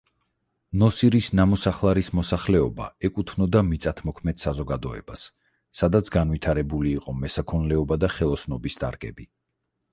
ნოსირის ნამოსახლარის მოსახლეობა ეკუთვნოდა მიწათმოქმედ საზოგადოებას, სადაც განვითარებული იყო მესაქონლეობა და ხელოსნობის დარგები.